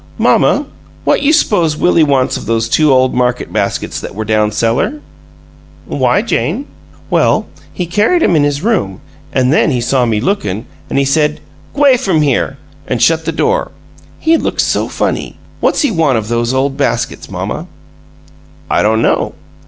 "Mamma, what you s'pose Willie wants of those two ole market baskets that were down cellar?" "Why, Jane?" "Well, he carried 'em in his room, an' then he saw me lookin'; an' he said, 'G'way from here!' an' shut the door. He looks so funny! What's he want of those ole baskets, mamma?" "I don't know.